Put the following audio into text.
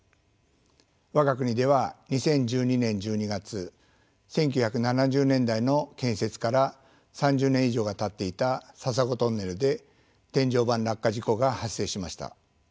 我が国では２０１２年１２月１９７０年代の建設から３０年以上がたっていた笹子トンネルで天井板落下事故が発生しました。